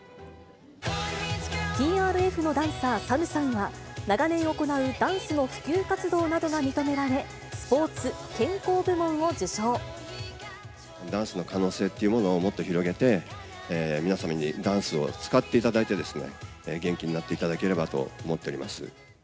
ＴＲＦのダンサー、ＳＡＭさんは、長年行うダンスの普及活動などが認められ、スポーツ・健康部門をダンスの可能性というものをもっと広げて、皆様にダンスを使っていただいてですね、元気になっていただければと思っております。